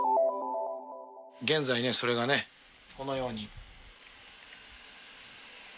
現在ねそれがねこのように。